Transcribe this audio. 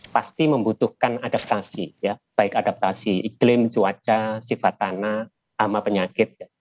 pasti membutuhkan adaptasi ya baik adaptasi iklim cuaca sifat tanah sama penyakit